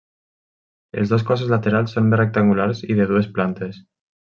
Els dos cossos laterals són més rectangulars i de dues plantes.